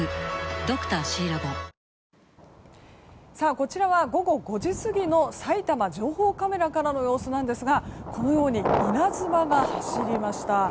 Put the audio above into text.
こちらは午後５時過ぎのさいたま情報カメラからの様子なんですが稲妻が走りました。